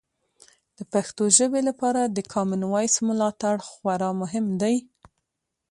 د پښتو ژبې لپاره د کامن وایس ملاتړ خورا مهم دی.